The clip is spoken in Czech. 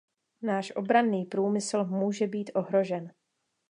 Náš obranný průmysl může být ohrožen.